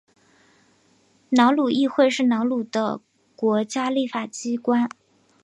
瑙鲁议会是瑙鲁的国家立法机关。